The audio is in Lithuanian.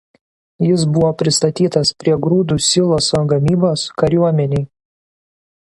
Jis buvo pristatytas prie grūdų siloso gamybos kariuomenei.